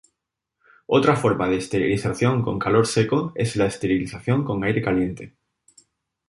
Otra forma de esterilización con calor seco es la esterilización con aire caliente.